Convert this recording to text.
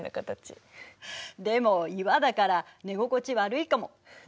でも岩だから寝心地悪いかも。